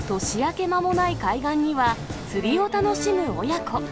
年明けまもない海岸には、釣りを楽しむ親子。